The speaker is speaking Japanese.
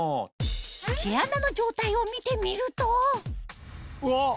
毛穴の状態を見てみるとうわっ！